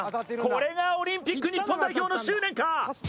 これがオリンピック日本代表の執念か！